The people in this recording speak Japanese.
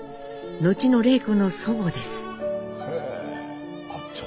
後の礼子の祖母です。